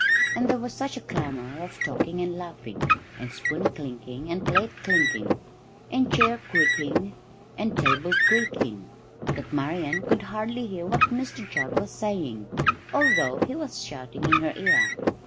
And there was such a clamour of talking and laughing, and spoon clinking and plate clinking, and chair creaking and table creaking, that Marian could hardly hear what Mr Jugg was saying, although he was shouting in her ear.